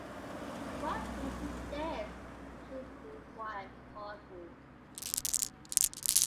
‘What place is this?’ she inquired, pausing.